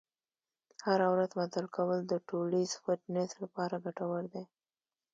هره ورځ مزل کول د ټولیز فټنس لپاره ګټور دي.